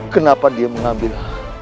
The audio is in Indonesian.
kenapa dia mengambil